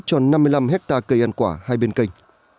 cho năm mươi năm hecta cây ăn quả hai bên kênh